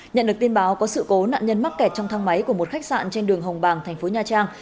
nhận được tin báo có sự cố nạn nhân mắc kẹt trong thang máy của một khách sạn trên đường hồng bàng thành phố nha trang